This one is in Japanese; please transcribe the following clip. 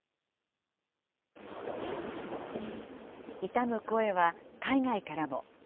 悼む声は海外からも。